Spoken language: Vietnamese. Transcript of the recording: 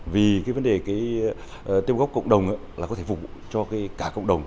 vì cái vấn đề tế bào gốc cộng đồng là có thể phục vụ cho cả cộng đồng